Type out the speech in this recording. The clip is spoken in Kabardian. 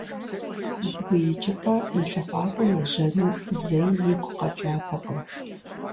Бгы икӀыпӀэ и лъыхъуакӀуэ ежьэну зэи игу къэкӀатэкъым.